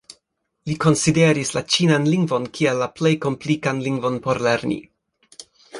Li konsideris la ĉinan lingvon kiel la plej komplikan lingvon por lerni.